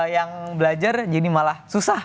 yang belajar jadi malah susah